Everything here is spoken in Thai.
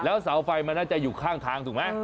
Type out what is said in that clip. แล้วเสาไฟมันน่าจะอยู่ข้างทางถูกไหม